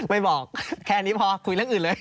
ไม่บอกแค่นี้พอคุยเรื่องอื่นเลย